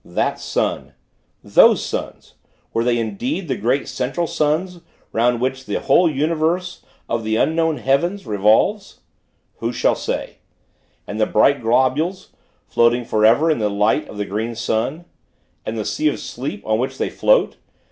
That Sun those Suns, were they indeed the great Central Suns, 'round which the whole universe, of the unknown heavens, revolves? Who shall say? And the bright globules, floating forever in the light of the Green Sun! And the Sea of Sleep on which they float!